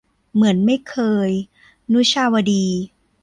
เหมือนไม่เคย - นุชาวดี